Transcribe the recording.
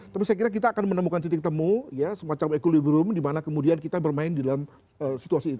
tapi saya kira kita akan menemukan titik temu ya semacam equilibrium di mana kemudian kita bermain di dalam situasi itu